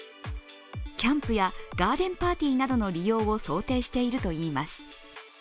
キャンプやガーデンパーティーなどでの利用を想定しているといいます。